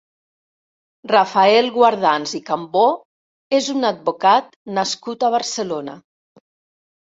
Rafael Guardans i Cambó és un advocat nascut a Barcelona.